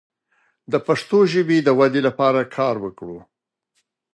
د پښتو ژبې د ودې لپاره کار وکړو.